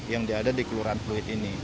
yang diada di kelurahan fluid ini